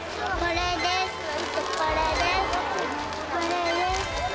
これです。